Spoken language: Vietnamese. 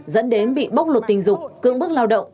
dẫn đến bị bóc lột tình dục cưỡng bức lao động